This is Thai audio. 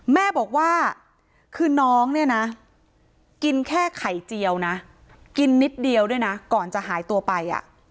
แม่บอกว่าคือน้องเนี่ยนะกินแค่ไข่เจียวนะกินนิดเดียวด้วยนะก่อนจะหายตัวไป